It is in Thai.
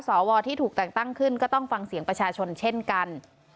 สวที่ถูกแต่งตั้งขึ้นก็ต้องฟังเสียงประชาชนเช่นกัน